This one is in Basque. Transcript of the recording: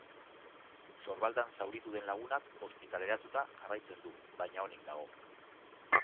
Sorbaldan zauritu den lagunak ospitaleratuta jarraitzen du, baina onik dago.